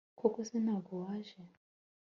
koko se ntago waje